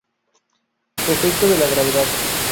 Efecto de la gravedad.